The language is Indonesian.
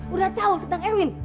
sudah tahu tentang erwin